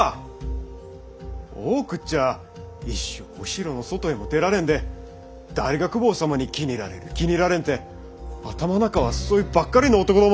大奥っちゃあ一生お城の外へも出られんで誰が公方様に気に入られる気に入られんて頭ん中はそいばっかりの男どもたい！